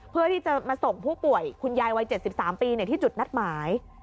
เพื่อที่จะมาส่งผู้ป่วยคุณยายวัย๗๓ปีที่จุดนัดหมาย